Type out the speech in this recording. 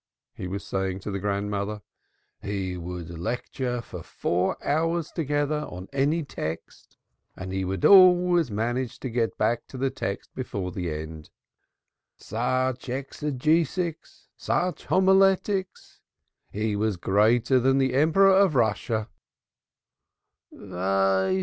he was saying to the grandmother. "He could lecture for four hours together on any text and he would always manage to get back to the text before the end. Such exegetics, such homiletics! He was greater than the Emperor of Russia.